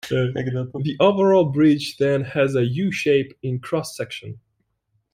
The overall bridge then has a 'U'-shape in cross-section.